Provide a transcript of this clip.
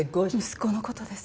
息子のことです。